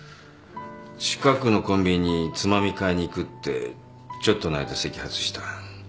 近くのコンビニにつまみ買いに行くってちょっとの間席外した。